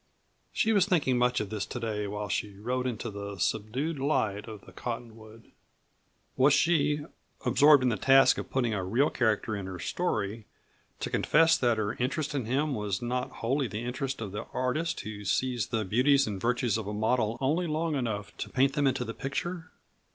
She was thinking much of this to day while she rode into the subdued light of the cottonwood. Was she, absorbed in the task of putting a real character in her story, to confess that her interest in him was not wholly the interest of the artist who sees the beauties and virtues of a model only long enough to paint them into the picture?